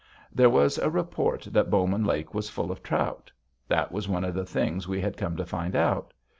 There was a report that Bowman Lake was full of trout. That was one of the things we had come to find out.